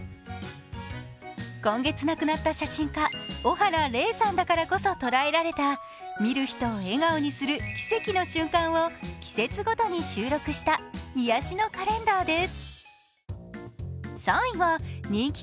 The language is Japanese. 今月亡くなった写真家、小原玲さんだからこそ捉えられた見る人を笑顔にする奇跡の瞬間を季節ごとに収録した癒やしのカレンダーです。